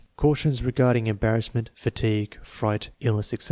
Cautions regarding embarrassment, fatigue, fright, ill ness, etc.